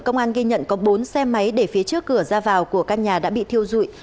công an ghi nhận có bốn xe máy để phía trước cửa ra vào của căn nhà đã bị thiêu dụi